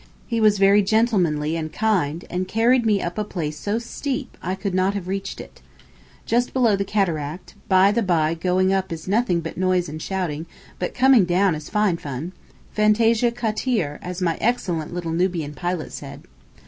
He was very gentlemanly and kind and carried me up a place so steep I could not have reached it. Just below the cataract—by the by going up is nothing but noise and shouting, but coming down is fine fun—Fantasia khateer as my excellent little Nubian pilot said.